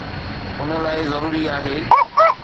ان لاءِ ضروري آهي